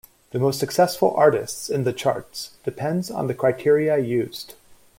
The most successful artists in the charts depends on the criteria used.